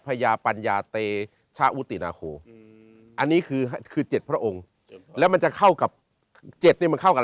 พญาปัญญาเตชอุตินาโคอันนี้คือเจ็ดพระองค์แล้วมันจะเข้ากับเจ็ด